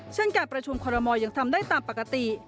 เช่นการประชุมคอรมอลยังทำได้ตามปกติ